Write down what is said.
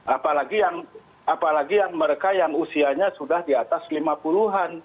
apalagi yang mereka yang usianya sudah di atas lima puluh an